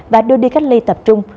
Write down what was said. và đôi đi cách ly tập trung